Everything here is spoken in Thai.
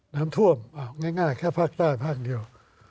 น้ำท่วมง่ายแค่ภาคใต้ภาคเดียว